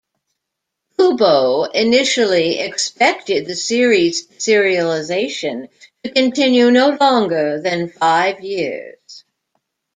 Kubo initially expected the series' serialization to continue no longer than five years.